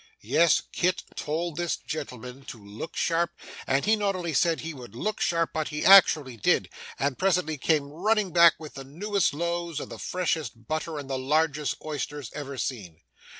Yes, Kit told this gentleman to look sharp, and he not only said he would look sharp, but he actually did, and presently came running back with the newest loaves, and the freshest butter, and the largest oysters, ever seen.